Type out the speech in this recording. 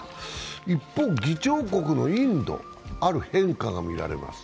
一方、議長国のインド、ある変化が見られます。